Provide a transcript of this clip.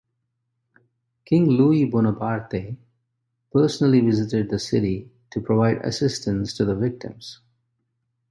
King Louis Bonaparte personally visited the city to provide assistance to the victims.